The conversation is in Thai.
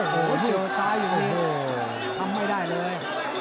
เจอซ้ายอยู่นี่ทำไม่ได้เลย